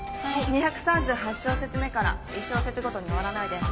２３８小節目から１小節ごとに終わらないでもっとつないで。